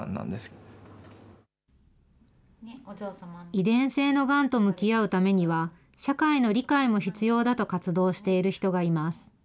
遺伝性のがんと向き合うためには、社会の理解も必要だと活動している人がいます。